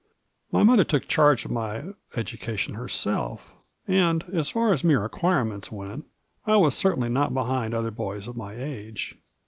My mother took charge of my education herseK, and, as far as mere acquirements went, I was certainly not behind other boys of my age.